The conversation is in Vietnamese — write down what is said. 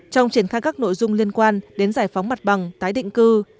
trong triển khai các nội dung liên quan đến giải phóng mặt bằng tái định cư